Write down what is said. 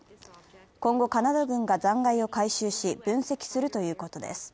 今後、カナダ軍が残骸を回収し分析するということです。